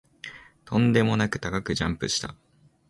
とんでもなく高くジャンプした